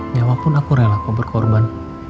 nyawa pun aku rela kok berkorban